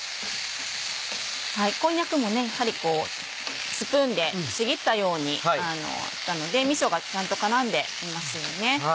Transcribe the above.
こんにゃくもやはりスプーンでちぎったようにやったのでみそがちゃんと絡んでいますよね。